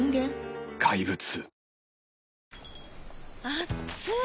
あっつい！